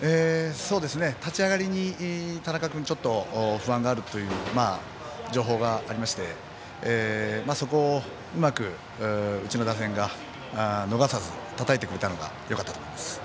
立ち上がりに、田中君ちょっと不安があるという情報がありましてそこをうまく、うちの打線が逃さず、たたいてくれたのがよかったと思います。